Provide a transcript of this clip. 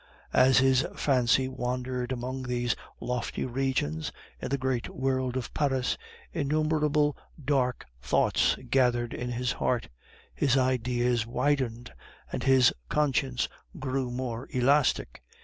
As his fancy wandered among these lofty regions in the great world of Paris, innumerable dark thoughts gathered in his heart; his ideas widened, and his conscience grew more elastic.